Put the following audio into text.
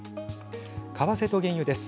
為替と原油です。